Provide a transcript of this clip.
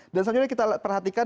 dan selanjutnya kita perhatikan